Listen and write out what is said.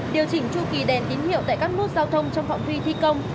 điều chỉnh chu kỳ đèn tín hiệu tại các mút giao thông trong phòng thi thi công